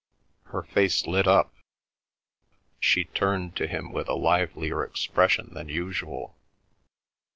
Her face lit up; she turned to him with a livelier expression than usual.